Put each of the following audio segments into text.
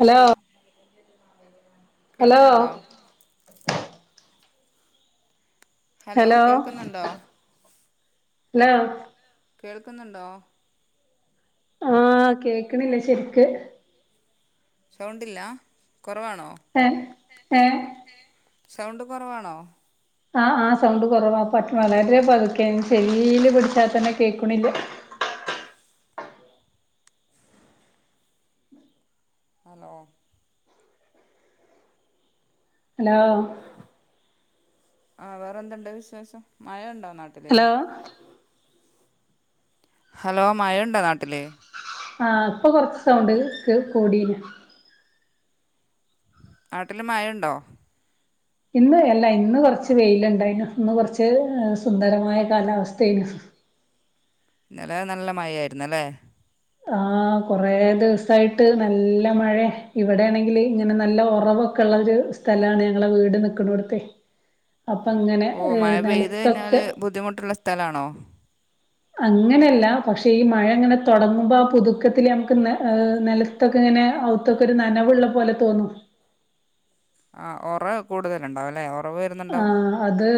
Hello കേൾ hello കേൾക്കുന്നുണ്ടോ hello കേൾക്കുന്നുണ്ടോ ഹലോ കേൾക്കുന്നുണ്ടോ? ആഹ് കേക്കണില്ല ശരിക്ക് സൗണ്ടില്ല കൊറവാണോ ഏഹ് ഏഹ് ഏഹ് സൗണ്ട് കൊറവാണോ ആഹ് ആഹ് സൗണ്ട് കൊറവാ [unintelligible] വളരെ പതുക്കെ ചെവീല് പിടിച്ചാൽ തന്നെ കേൾക്കണില്ല ആന്നോ ഹലോ ആഹ് വേറെ എന്തുണ്ട് വിശേഷം മഴ ഉണ്ടോ നാട്ട് ഹലോ ഹലോ മഴണ്ടോ നാട്ടില് ആഹ് ഇപ്പൊ കൊറച്ച് സൗണ്ട് കെ കൂടീണ് നാട്ടില് മഴണ്ടോ ഇന്ന് അല്ല ഇന്ന് കൊറച്ച് വെയിലുണ്ടായിന്നു ഇന്ന് കൊറച്ച് സുന്ദരമായ കാലാവസ്ഥേനു ഇന്നലെ നല്ല മഴ ആയിര്ന്നല്ലേ ആഹ് കൊറേ ദിവസായിട്ട് നല്ല മഴേ ഇവിടെയാണെങ്കില് ഇങ്ങനെ നല്ല ഒറവ് ഒക്കെ ഉള്ളൊരു സ്ഥലാണ് ഞങ്ങളെ വീട് നിക്കണോടുത്തെയ് അപ്പങ്ങനെ ഓഹ് മഴ പെയ്ത് കഴിഞ്ഞാല് ബുദ്ധിമുട്ടുള്ള സ്ഥലാണോ അങ്ങനെയല്ല പക്ഷെ ഈ മഴ ഇങ്ങനെ തൊടങ്ങുമ്പോ ആ പുതുക്കത്തില് നമുക്കൊന്ന് ഏഹ് നെല ത്തൊക്കെ ഇങ്ങനെ അകത്തൊക്കെ ഒരു നനവുള്ള പോലെ തോന്നും ആഹ് ഒറവ കൂടുതല്ണ്ടാവുല്ലേ ആഹ് അത്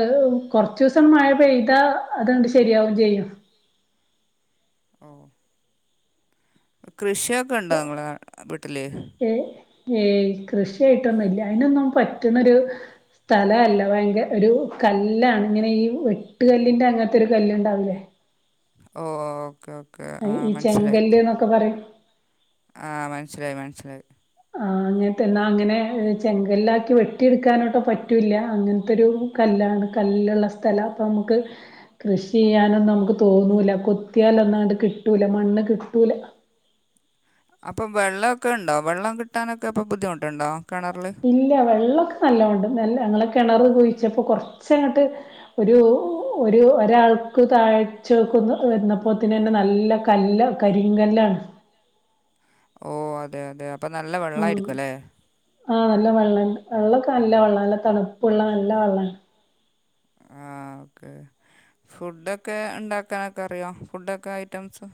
കൊറച്ചുസം മഴ പെയ്താ അതങ്ങണ്ട് ശരിയാവും ചെയ്യും ഓഹ് കൃഷിയൊക്കെ ഉണ്ടോ നിങ്ങളെ വീട്ടില് ഏഹ് ഏയ് കൃഷിയായിട്ടൊന്നുംല്ല അയ്നൊന്നും പറ്റ്ണൊരു സ്ഥല അല്ല ഭയങ്കര ഒരു കല്ലാണ് ഇങ്ങനെ ഈ വെട്ട്കല്ലിൻ്റെ അങ്ങനത്തെരു കല്ല്ണ്ടാവൂല്ലേ ഓഹ് ഓക്കേ ഓക്കേ ആ മനസ്സിലായി ഒക്കെ പറയും ആഹ് മനസ്സിലായി മനസ്സിലായി ആ അങ്ങനത്തെ എന്നാ അങ്ങനെ ചെങ്കല്ലാക്കി വെട്ടിയെടുക്കാനോട്ട് പറ്റൂല്ല അങ്ങനത്തൊരു കല്ലാണ് കല്ലുള്ള സ്ഥലാ അപ്പൊ നമുക്ക് കൃഷി ചെയ്യാനൊന്നും നമുക്ക് തോന്നൂല കൊത്തിയാലൊന്നണ്ട് കിട്ടൂല മണ്ണ് കിട്ടൂല അപ്പൊ വെള്ളക്കെണ്ടോ വെള്ളം കിട്ടാനൊക്കെ അപ്പൊ ബുദ്ധിമുട്ടുണ്ടോ കിണറില് ഇല്ല വെള്ളമൊക്കെ നല്ലോണ്ട് നല്ല ഞങ്ങളെ കെണർ കുഴിച്ചപ്പോ കൊറച്ചങ്ങട്ട് ഒരു ഒരു ഒരാൾക്ക് താഴ്ചകൊന്ന് വന്നപ്പോത്തിനന്നെ നല്ല നല്ല കരിങ്കല്ലാണ് ഓഹ് അതെ അതെ അപ്പൊ നല്ല ഉം വെള്ളായിരിക്കും അല്ലേ ആഹ് നല്ല വെള്ളണ്ട് വെള്ളം ഒക്കെ നല്ല വെള്ളമാണ് നല്ല തണുപ്പുള്ള നല്ല വെള്ളം ആണ് ആഹ് ഓക്കേ ഫുഡൊക്കെ ഇണ്ടാക്കാനൊക്കെ അറിയോ ഫുഡൊക്കെ ഐറ്റംസ്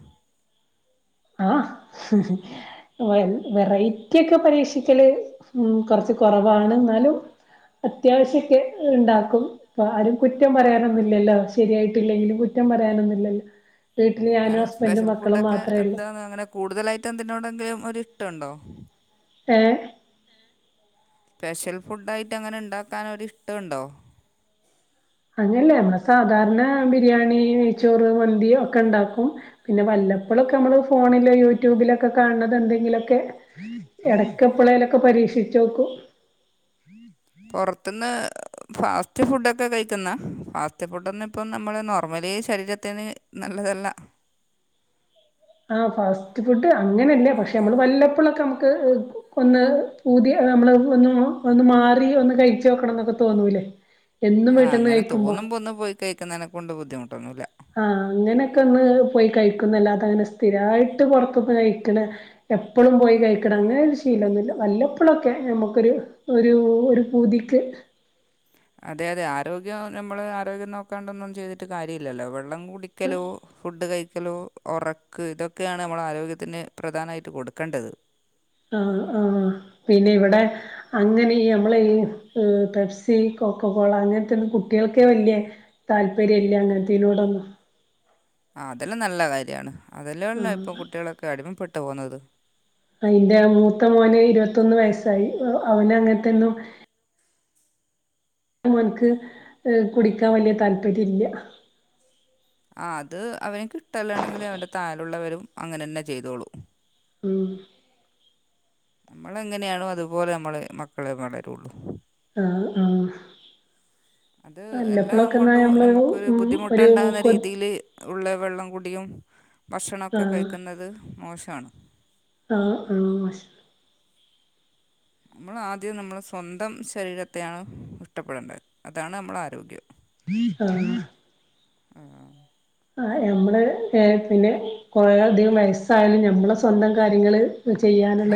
ആഹ് വ വെറൈറ്റി ഒക്കെ പരീക്ഷിക്കല് കൊറച്ച് കുറവാണ് ന്നാലും അത്യാവശ്യ ഒക്കെ ഇണ്ടാക്കും ഇപ്പ ആരും കുറ്റം പറയാനൊന്നും ഇല്ലല്ലോ ശരിയായിട്ടില്ലെങ്കിലും കുറ്റം പറയാനൊന്നുല്ലല്ലോ വീട്ടില് ഞാനും എന്നാലും ഹസ്ബൻഡും സ്പെഷ്യൽ മക്കളും ഫുഡൊക്കെ മാത്രേ ഉള്ളൂ എന്താണ് അങ്ങനെ കൂടുതലായിട്ട് എന്തിനോടെങ്കിലും ഒരിഷ്ടം ഉണ്ടോ ഏഹ് സ്പെഷ്യൽ ഫുഡായിട്ട് അങ്ങനെ ഉണ്ടാക്കാനൊരിഷ്ടണ്ടോ അങ്ങനെയല്ല സാധാരണ ബിരിയാണി, നെയ്ച്ചോറ്, മന്തി ഒക്കെ ഇണ്ടാക്കും പിന്നെ വല്ലപ്പോഴൊക്കെ നമ്മള് ഫോണിലോ യൂട്യൂബിലൊക്കെ കാണണത് എന്തെങ്കിലൊക്കെ എടയ്ക്ക് എപ്പളേലൊക്കെ പരീക്ഷിച്ചു നോക്കും പുറത്തുന്ന് ഫാസ്റ്റ് ഫുഡൊക്കെ കഴിക്കുന്ന ഫാസ്റ്റ് ഫുഡ് ഒന്നുപ്പം നമ്മൾ നോർമലി ശരീര ത്തിന് നല്ലതല്ല ആ ഫാസ്റ്റ് ഫുഡ് അങ്ങനെയല്ല പക്ഷെ നമ്മള് വല്ലപ്പോഴൊക്കെ നമക്ക് ഒന്ന് പൂതി നമ്മള് ഒന്ന് ഒന്ന് മാറി ഒന്ന് കഴിച്ചോക്കണം എന്നൊക്കെ തോന്നൂല്ലേ എന്നും ആ വീട്ട്ന്ന് അങ്ങനെ കഴിക്കുമ്പോ തോന്നുമ്പോൾ ഒന്ന് പോയി കഴിക്കുന്നതിനെ കൊണ്ട് ബുദ്ധിമുട്ടോന്നുല്ല ആഹ് അങ്ങനെയൊക്കെ ഒന്ന് പോയി കഴിക്കുന്നല്ലാതെ അങ്ങനെ സ്ഥിരായിട്ട് പുറത്ത്ന്ന് കഴിക്കല് എപ്പോഴും പോയി കഴിക്കണം അങ്ങനെ ഒരു ശീലമൊന്നുമില്ല വല്ലപ്പോഴൊക്കെ നമുക്കൊരു ഒരു ഒരു പൂതിക്ക് അതെ അതെ ആരോഗ്യം നമ്മള് ആരോഗ്യം നോക്കാണ്ടൊന്നും ചെയ്തിട്ട് കാര്യല്ലല്ലോ വെള്ളം കുടിക്കലോ ഫുഡ് കഴിക്കലും, ഒറക്ക് ഇതൊക്കെയാണ് നമ്മള് ആരോഗ്യത്തിന് പ്രധാനായിട്ട് കൊടുക്കേണ്ടത് ആഹ് ആഹ് പിന്നെ ഇവിടെ അങ്ങനെ ഈ നമ്മളെ ഈ പെപ്സി, കോക്ക കോള അങ്ങൻത്തൊന്നും കുട്ടികൾക്കെ വലിയ താല്പര്യല്ല അങ്ങനത്തെനോടൊന്നും ആ അതെല്ലാം നല്ല കാര്യാണ് അതെല്ലേ ഉള്ളു ആഹ് ഇപ്പൊ കുട്ടികളൊക്കെ അടിമപ്പെട്ടു പോകുന്നത് ആ ഇൻ്റെ മൂത്ത മോന് ഇരുപത്തൊന്ന് വയസായി അവന് അങ്ങൻത്തൊന്നും ഓൻക്ക് കുടിക്കാൻ വലിയ താല്പര്യല്ല ആ അത് അവനിക്ക് ഇഷ്ടല്ലാണെങ്കില് അവൻ്റെ താഴെ ഉള്ളവരും അങ്ങനെന്നെ ചെയ്തോളും ഉം നമ്മളെ എങ്ങനെയാണോ അതുപോലെ നമ്മളെ മക്കളും വളരുള്ളു ആഹ് ആഹ് അത് എല്ലാം വല്ലപ്പോഴൊക്കെന്നാ കൊണ്ടും നമ്മള് നമുക്കൊരു ഉം ഒരു ബുദ്ധിമുട്ട്ണ്ടാവുന്ന കൊ രീതിയില് ഉള്ള വെള്ളം കൂടിയും ഭക്ഷണൊക്കെ ആഹ് കഴിക്കുന്നത് മോശാണ് ആഹ് ആഹ് നമ്മളാദ്യം നമ്മളെ സ്വന്തം ശരീരത്തെയാണ് ഇഷ്ടപ്പെടേണ്ടേ അതാണ് നമ്മളെ ആരോഗ്യം ആഹ് ആഹ് ആ ഞമ്മള് പിന്നെ കൊറേ അധികം വയസ്സായാലും ഞമ്മളെ സ്വന്തം കാര്യങ്ങള്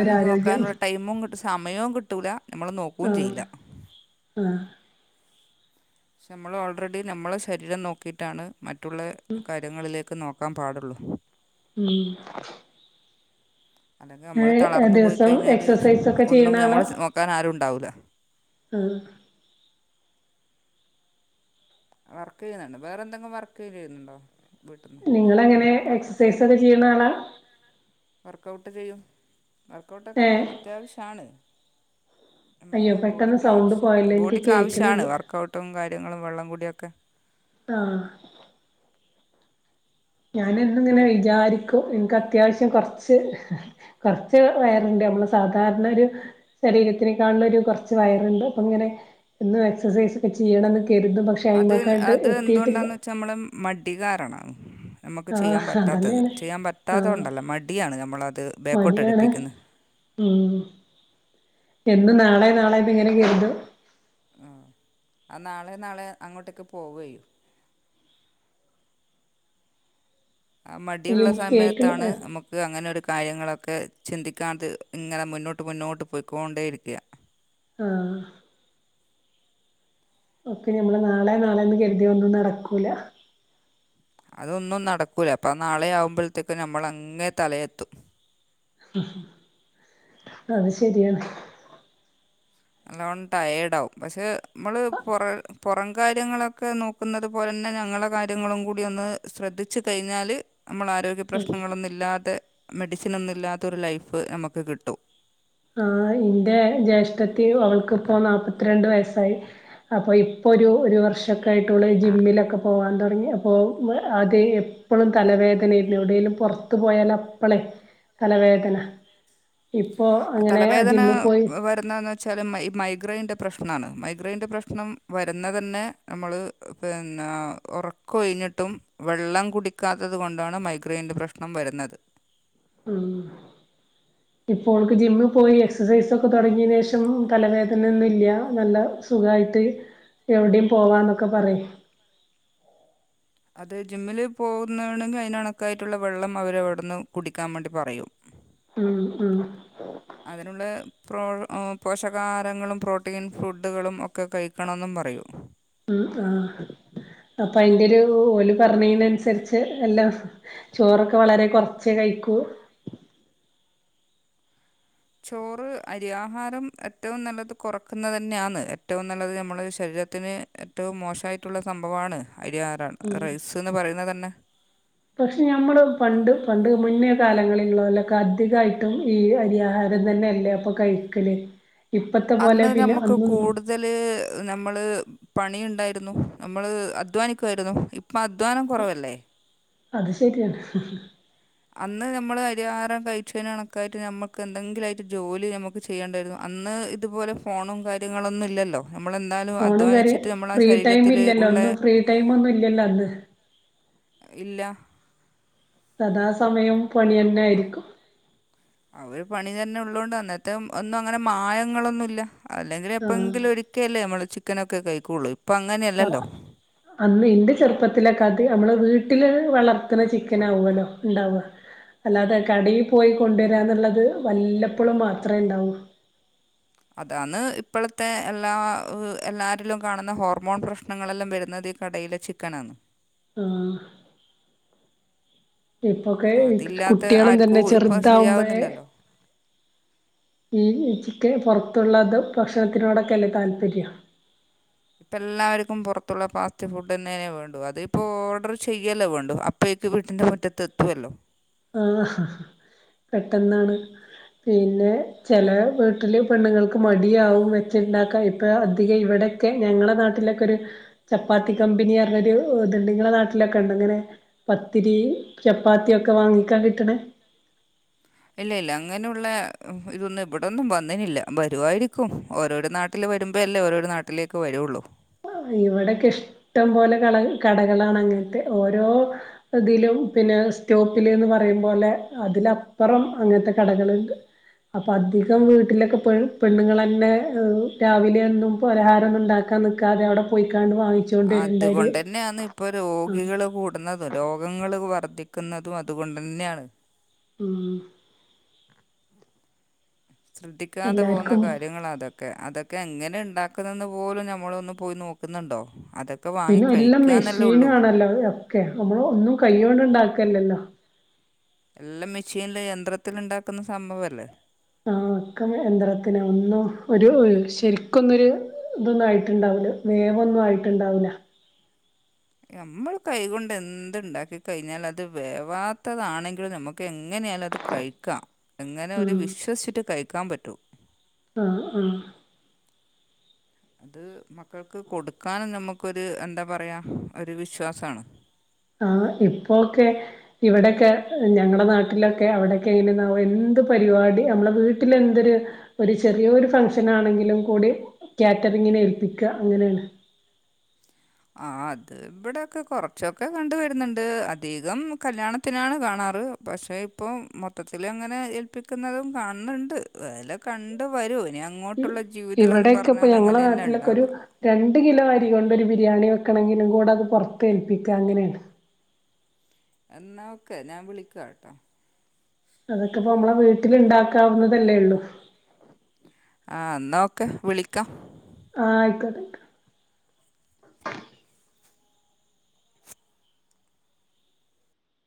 അത് ആരോഗ്യം നോക്കാനുള്ള ടൈമും കിട്ടു സമയവും കിട്ടൂല നമ്മൾ നോക്കും ആഹ് ചെയ്യില്ല ആഹ് പക്ഷെ നമ്മള് ഓൾറെഡി നമ്മളെ ശരീരം നോക്കിയിട്ടാണ് മറ്റുള്ള കാര്യങ്ങളിലേ ക്ക് നോക്കാൻ പാടുള്ളൂ ഉം അല്ലെങ്കിൽ നമ്മൾ ഏഹ് തളർന്നു പോയി ദിവസം കഴിഞ്ഞാൽ എക്സസൈസ് ഒക്കെ ഒന്നും ചെയ്യുന്ന ആളാ നമ്മളെ നോക്കാൻ ആരും ഉണ്ടാവില്ല ആഹ് വർക്ക് ചെയ്യ്ന്നുണ്ട് വേറെ എന്തെങ്കും വർക്ക് ചെയ്യുന്നുണ്ടോ വീട്ട്ന്ന് നിങ്ങളെങ്ങനെ എക്സസൈസൊക്കെ ചെയ്യുന്ന ആളാ വർക്കൗട്ട് ചെയ്യും വർക്കൗട്ടക്കെ ഏഹ് അത്യാവിശ്യാണ് അയ്യോ നമ്മളെ പെട്ടെന്ന് ബോഡിക്ക് സൗണ്ട് ആവശ്യ പോയല്ലോ എനിക്ക് ബോഡിക്ക് ആവശ്യാണ് കേക്കണില്ല വർക്കൗട്ടും കാര്യങ്ങളും വെള്ളം കുടിയൊക്കെ ആഹ് ഞാന് എന്നും ഇങ്ങനെ അത് വിജാരി ക്ക് ഇൻക്ക് അത്യാവിശ്യം കൊറച്ച് കൊറച്ച് വയറ്ണ്ട് നമ്മള് സാധാരണ ഒരു ശരീരത്തിനെക്കാള്ളൊരു കൊറച്ച് വയറ്ണ്ട് അപ്പൊ ഇങ്ങനെ എന്നും എക്സസൈസൊക്ക ചെയ്യണന്ന് കരുതും പ അത് അത് എന്തുകൊണ്ടാന്ന് വെച്ചാ നമ്മളെ മടി കാരണാണ് നമ്മക്ക് ചെയ്യാൻ ആഹ് പറ്റാത്തത് അതന്നെയാണ് ചെയ്യാൻ പറ്റാത്തത് ആഹ് കൊണ്ടല്ല മടിയാണ് നമ്മളത് ബേക്കോട്ട് മടിയാണ് അടുപ്പിക്കുന്ന് ഉം എന്നും നാളെ നാളെന്ന് ഇങ്ങനെ കരുതും ആഹ് അനാളെ നാളെ അങ്ങോട്ടേക്ക് പോവൊയ് ആ ഈ മടിയുള്ള കേക്കിന് സമയത്താണ് നമു ക്ക് അങ്ങനൊരു കാര്യങ്ങളൊക്കെ ചിന്തിക്കാതെ ഇങ്ങനെ മുന്നോട്ട് മുന്നോട്ട് പോയിക്കൊണ്ടേരിക്ക ആഹ് ഒക്കെ ഞമ്മള് നാളെ നാളെ എന്ന് കരുതിയോണ്ട് നടക്കൂല അതൊന്നും നടക്കൂല അപ്പ നാളെ ആകുമ്പഴ്ത്തേക്ക് നമ്മള് അങ്ങെ തലയെത്തും ആ ശരിയാണ് നല്ലോം ടയേഡാവും പക്ഷെ നമ്മള് പൊറ പൊറം കാര്യങ്ങളൊക്കെ നോ ഇപ്പം ഇന്നത്തെ പോലെന്നെ ഞങ്ങളെ കാര്യങ്ങളും കൂടി ഒന്ന് ശ്രദ്ധിച്ച് കഴിഞ്ഞാല് നമ്മളെ ആരോഗ്യം പ്രശ്നങ്ങളൊന്നും ഇല്ലാതെ മെഡിസിനൊന്നും ഇല്ലാത്തൊരു ലൈഫ് നമുക്ക് കിട്ടും ആഹ് ഇന്റെ ജേഷ്ഠത്തി അവൾക്കിപ്പോ നാല്പ്പത്തിരണ്ട് വയസ്സായി അപ്പോ ഇപ്പോരു ഒരു വർഷൊക്കെ ആയിട്ട് ഓള് ജിമ്മിലൊക്കെ പോവാൻ തുടങ്ങി അപ്പോ അത് എ എപ്പളും തലവേദനേന്നു എവിടെലും പൊറത്തു പോയാല് അപ്പളെ തലവേദന ഇപ്പൊ അഹ് തലവേദനാ വരുന്നെ ന്ന് വെച്ചാല് മൈ മൈഗ്രൈൻൻ്റെ പ്രശ്നാണ് മൈഗ്രൈയിൻ്റെ പ്രശ്നം വരുന്നതന്നെ തന്നെ നമ്മള് പിന്നെ ഒറക്കം ഒഴിഞ്ഞിട്ടും വെള്ളം കുടിക്കാത്തത് കൊണ്ടാണ് മൈഗ്രയിന്റെ പ്രശ് ണം വരുന്നത് ഉം ഇപ്പോ ഓൾക്ക് ജിമ്മ് പോയി എക്സസൈസൊക്ക തൊടങ്ങിയതിന് ശേഷം തലവേദനൊന്നും ഇല്യാ നല്ല സുഖായിട്ട് എവടിം പോവാന്നൊക്ക പറയും അത് ജിമ്മിന് പോകുന്നാണെങ്കി അതിന് കണക്കായിട്ടുള്ള വെള്ളം അവര് അവിടുന്ന് കുടിക്കാം വേണ്ടി പറയും. ഉം ഉം അതിനുള്ള പ്രോ പോഷകാഹാരങ്ങളും പ്രോട്ടീൻ ഫുഡ്ഡുകളും ഒക്കെ കഴിക്കണന്നും പറയും ഉം ആഹ് അപ്പൊ ഐന്റെരു ഓല് പറഞ്ഞേനൻസരിച്ച് എല്ലാ ചോറൊക്കെ വളരെ കൊറ്ച്ചെ കഴിക്കൂ ചോറ് അരി ആഹാരം എറ്റവും നല്ലത് കൊറക്കുന്നത് തന്നെ ആന്ന്. എറ്റവും നല്ലത് നമ്മുടെ ശരീരത്തിന് ഏറ്റോം മോശായിട്ടുള്ള സംഭവാണ് അരി ആരാണ് ഉം റൈസ്ന്ന് പറയുന്നതന്നെ. പക്ഷെ ഞമ്മള് പണ്ട് പണ്ട് മുന്നേ കാലങ്ങളില [unintelligible] ല്ലൊക്കെ അധികായിട്ടും ഈ അരിയാഹാര [unintelligible] തന്നെ അല്ലേ അപ്പൊ കഴിക്കല്. ഇപ്പത്തെ പോലെ പിന്നെ അന്നും ജല് നമ്മള് പണിയുണ്ടായിരുന്നു നമ്മള് അധ്വാനിക്ക്വായിരുന്നു ഇപ്പം അധ്വാനം കൊറവല്ലേ. അത് ശെരിയാ അന്ന് ഞമ്മള് അരിഹാരം കഴിച്ചേന് കണക്കായിട്ട് നമ്മക്ക് എന്തെങ്കിലു അയിട്ട് ജോലി നമുക്ക് ചെയ്യേണ്ടായിരുന്നു. അന്ന് ഇതുപോലെ ഫോണും കാര്യങ്ങളൊന്നും ഇല്ലല്ലോ നമ്മളെന്താലും ഫോണും കാര്യ അധ്വാനിച്ചിട്ട് നമ്മള ആ ഫ്രീ ടൈം ശരീരത്തില് ഇല്ലല്ലോ ഉള്ളെ ഒന്നും ഫ്രീ ടൈം ഒന്നും ഇല്ലല്ലോ അന്ന് ഇല്ല സഥാ സമയൊം പണി തന്നാരിക്കും. അവര് പണി തന്നെ ഉള്ളോണ്ട് അന്നത്തെ ഒന്നും അങ്ങനെ മായങ്ങളൊന്നുല്ല അല്ലെങ്കില് എപ്പെയ്ങ്കിലൊര് ഒക്കെ അല്ലെ നമ്മള് ചിക്കനൊക്കെ കഴിക്കൊള്ള് ആഹ് അന്ന് ഇന്റെ ചെറുപ്പത്തിലൊക്കെ അത് നമ്മള് വീട്ടില് വളർത്ത്ണ ചിക്കനാവലൊ ഇണ്ടാവ അല്ലാതെ കടേ പോയി കൊണ്ടരാന്ന്ള്ളത് വല്ലപ്പോളും മാത്രേ ഇണ്ടാവൂ. അതാന്ന് ഇപ്പളത്തെ എല്ലാ എല്ലാരിലും കാണുന്ന ഹോർമോൺ പ്രശ്നങ്ങളെല്ല വരുന്നുന്നത്. കടയിലെ ചിക്കനാന്ന്. ആഹ് ഇപ്പൊക്കെ അതില്ലാത്ത കുട്ട്യേളും തന്നെ ആർക്കും ഇപ്പം ചെറുതാവുമ്പഴേ ശരിയാവുന്നില്ലല്ലോ ഈ ചിക്കൻ പൊറത്തുള്ളത് ഭക്ഷണത്തിനോടൊക്കെല്ലേ താല്പര്യം ഇപ്പ എല്ലാവർക്കും പൊറത്തുള്ള ഫാസ്റ്റ് ഫുഡ്ന്നെനെ വേണ്ടു അതീപ്പോ ഓർഡർ ചെയ്യല്ലേ വേണ്ടു അ പ്പേയ്ക്ക് വീട്ട്ന്റെ മുറ്റത്ത് എത്തൊല്ലോ. ആഹ് ഹാ പെട്ടെന്നാണ്. പിന്നെ ചെലെ വീട്ടില് പെണ്ണുങ്ങൾക്ക് മടിയാവും വെച്ചിണ്ടാക്കാ ഇപ്പം അധികം ഇവിടെ ക്കെ ഞങ്ങളെ നാട്ടിലൊക്കെ ഒരു ചപ്പാത്തി കമ്പനി ആറ്ന്നൊരു ഇത്ണ്ട്. ഇങ്ങടെ നാട്ടിലൊക്കെ ഉണ്ടൊങ്ങനെ? പത്തിരി, ചപ്പാത്തി ഒക്കെ വാങ്ങിക്കാ കിട്ട്ണ് ഇല്ല ഇല്ല അങ്ങനുള്ള ഇതൊന്നും ഇവിടൊന്നും വന്നെനില്ല. വരുവായിരിക്കും ഓരോരു നാട്ട് ട്ടില് വരുമ്പോ അല്ലേ ഓരോരോ നാട്ടിലേക്ക് വരോള്ളൂ. ഇവിടെക്കെ ഇഷ്ടം പോലെ കള കടകളാണ്. അങ്ങനത്തെ ഓരോ ഇ തിലും പിന്നെ സ്റ്റോപ്പില്ന്ന് പറയിം പോലെ അതിലപ്പൊറം അങ്ങൻത്തെ കടകള്ണ്ട്. അപ്പൊ അധികം വീട്ടിലൊക്കെെ പെണ്ണുങ്ങളെന്നെ രാവിലെ എന്നും പലഹാരം ഒന്ന് ഇണ്ടാക്കി ക്കാ നിക്കാതെ അവിടെ പോയിക്കാണ്ട് വാങ്ങിച്ച് അതുകൊണ്ടെന്നേണ് ഇപ്പൊ രോഗികള് കൂടുന്നതും രോഗങ്ങള് വർദ്ധിക്കുന്നതും അതുകൊണ്ടെന്ന്യേണ്. ഉം ശ്രദ്ധിക്കാതെ പോന്ന എല്ലാർക്കും കാര്യങ്ങളത ക്കെ അതൊക്കെ എങ്ങനെ ഉണ്ടാക്കുന്നെന്ന് പോലും നമ്മളൊന്ന് പോയി നോക്കുന്നുണ്ടോ അതൊ പിന്നെ എല്ലാം മെഷീനും ആണല്ലോ ഒക്കെ നമ്മള് ഒന്നും കൈകൊണ്ട് ഉണ്ടാക്കല്ലല്ലോ. എല്ലാം മെഷീനില് യന്ത്രത്തിലിണ്ടാക്കുന്ന സംഭവല്ലേ? ആഹ് ക്ക യന്ത്രത്തിന് ഒന്നും ഒരു ശരിക്കൊന്നൊരു ഇതൊന്നും ആയിട്ടുണ്ടാവില്ല വേവൊന്നും ആയിട്ടുണ്ടാവില്ല. നമ്മള് കൈകൊണ്ട് എന്ത്‌ ഇണ്ടാക്കി കഴിഞ്ഞാല് അത് വേവാത്തതാണെങ്കിലും നമുക്ക് എങ്ങനെയാലും അത് കഴിക്കാ എങ്ങനെ ഉം ഒരു വിശ്വസിച്ചിട്ട് കഴിക്കാൻ പറ്റു. ആഹ് ആഹ്. അത് മക്കൾക്ക് കൊടുക്കാനും നമ്മക്കൊരു എന്താ പറയ ഒരു വിശ്വാസാണ്. ആഹ് ഇപ്പോക്കെ ഇവിടെക്കെ ഞങ്ങടെ നാട്ടിലൊക്കെ അവിടെക്കെ എങ്ങനെയന്നവൊ എന്ത് പരിപാടി നമ്മളെ വീട്ടിലെന്തൊരു ഒരു ചെറിയോരു ഫംഗ്ഷനാണെങ്കിലും കൂടി കാറ്ററിങ്ങിനെ ഏൽപ്പിക്ക അങ്ങനാണ്. ആഹ് അത് ഇവിടെക്കെ കൊറച്ചൊക്കെ കണ്ട് വരുന്ന്ണ്ട് അധികം കല്യാണത്തിനാണ് കാണാറ്. പക്ഷെ ഇപ്പം മൊത്തത്തിലങ്ങനെ ഏൽപ്പിക്കുന്നതും കാണുന്നുണ്ട് വല കണ്ട വരും ഇനി അങ്ങോട്ടുള്ള ജീവിതം എന്ന് ഇവിടെക്കെപ്പോ പറഞ്ഞാൽ ഞങ്ങളെ അങ്ങനെ തന്നെ നാട്ടിലൊക്കെരു ഉണ്ടാവുക രണ്ട് കിലോ അരി കൊണ്ടൊരു ബിരിയാണി വെക്കണങ്കിലും കൂടത് പൊറത്തേൽപ്പിക്ക അങ്ങനെണ്. എന്നാ ഓക്കെ ഞാൻ വിളിക്കാട്ടോ? അതെക്കെപ്പോ മ്മളെ വീട്ടില്ണ്ടാക്കാവുന്നതല്ലേ ഉള്ളൂ? ആഹ് ന്നാ ഓക്കെ വിളിക്കാ. ആഹ് ആയിക്കോട്ടെ